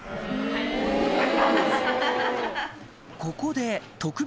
ここでお！